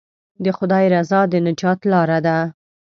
د خدای رضا د نجات لاره ده.